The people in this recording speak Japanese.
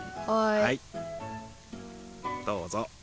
はいどうぞ。